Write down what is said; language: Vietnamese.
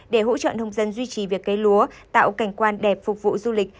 để hỗ trợ nông dân duy trì việc cây lúa tạo cảnh quan đẹp phục vụ du lịch